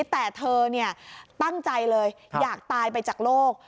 แต่เธอตั้งใจเลยอยากตายไปจากโลก